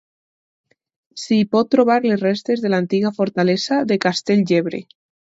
S'hi pot trobar les restes de l'antiga fortalesa de Castell-llebre.